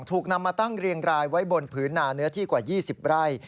ถูกนำมาตั้งเรียงรายไว้บนผืนนาเนื้อที่กว่า๒๐ไร่